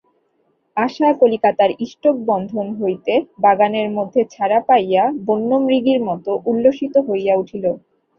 আশা কলিকাতার ইষ্টকবন্ধন হইতে বাগানের মধ্যে ছাড়া পাইয়া বন্যমৃগীর মতো উল্লসিত হইয়া উঠিল।